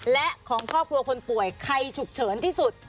และของครอบครัวคนป่วยใครฉุกเฉินที่สุด